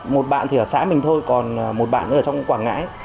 một bạn thì ở xã mình thôi còn một bạn ở trong quảng ngãi